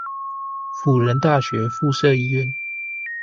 輔仁大學附設醫院